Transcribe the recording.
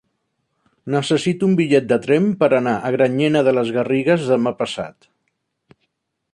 Necessito un bitllet de tren per anar a Granyena de les Garrigues demà passat.